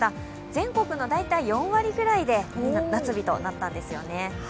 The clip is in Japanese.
全国の４割ぐらいで夏日となったんですよね。